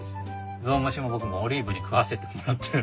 ゾウムシも僕もオリーブに食わせてもらってる。